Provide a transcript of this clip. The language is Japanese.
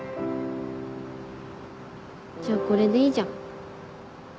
じゃあこれでいいじゃん。